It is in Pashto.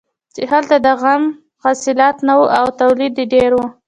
چې هلته د عم حاصلات نه وو او تولید یې ډېر و.